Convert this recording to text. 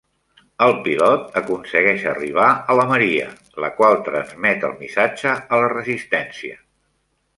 El pilot aconsegueix arribar a la Maria, la qual transmet el missatge a la resistència.